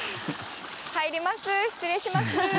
入ります、失礼します。